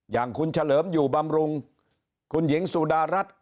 อย่างคุณเฉลิมอยู่บำรุงคุณหญิงสุดารัฐ